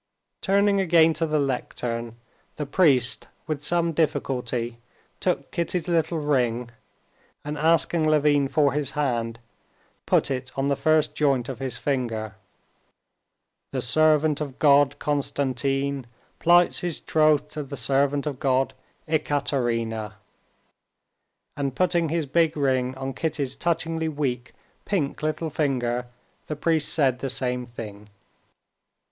Turning again to the lectern, the priest with some difficulty took Kitty's little ring, and asking Levin for his hand, put it on the first joint of his finger. "The servant of God, Konstantin, plights his troth to the servant of God, Ekaterina." And putting his big ring on Kitty's touchingly weak, pink little finger, the priest said the same thing.